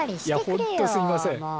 いやほんとすいません。